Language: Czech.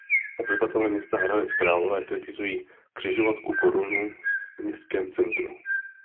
Obyvatelé města Hradce Králové kritizují křižovatku Korunu v městském centru.